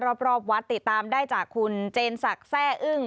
รอบวัดติดตามได้จากคุณเจนศักดิ์แซ่อึ้ง